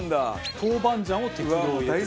豆板醤を適量入れてください。